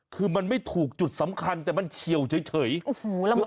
คือมันไม่ถูกจุดสำคัญแต่มันเฉียวเฉยโอ้โหแล้ว